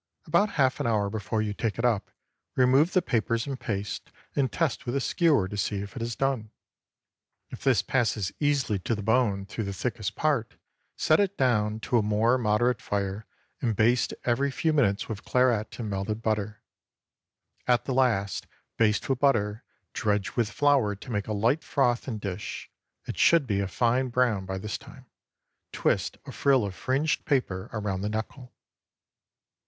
About half an hour before you take it up, remove the papers and paste, and test with a skewer to see if it is done. If this passes easily to the bone through the thickest part, set it down to a more moderate fire and baste every few minutes with Claret and melted butter. At the last, baste with butter, dredge with flour to make a light froth, and dish. It should be a fine brown by this time. Twist a frill of fringed paper around the knuckle.